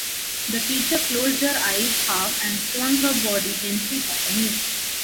The teacher closed her eyes half and swung her body gently by the music.